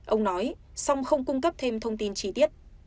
ông nói song không cung cấp thêm thông tin chi tiết